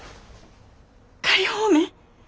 仮放免？